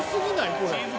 これ。